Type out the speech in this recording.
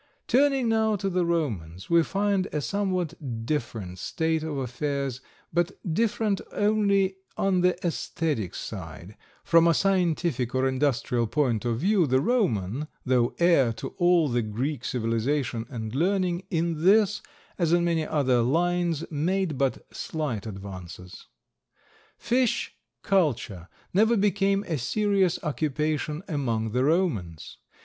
Turning now to the Romans, we find a somewhat different state of affairs, but different only on the aesthetic side; from a scientific or industrial point of view the Roman, though heir to all the Greek civilization and learning, in this, as in many other lines, made but slight advances. Fish culture never became a serious occupation among the Romans.